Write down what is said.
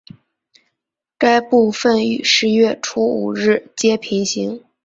该部份与十月初五日街平行。